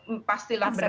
ini pastilah berat